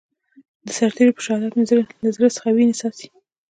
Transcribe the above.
د سرتېرو په شهادت مې له زړه څخه وينې څاڅي.